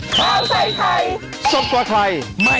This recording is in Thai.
โปรดติดตามตอนต่อไป